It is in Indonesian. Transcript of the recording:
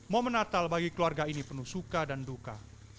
momen natal bagi keluarga ini penuh suka dan duka